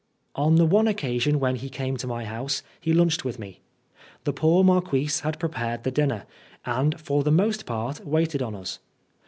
On the one occasion when he came to my house, he lunched with me. The poor Marquise had prepared the dinner, and for the most part waited on us.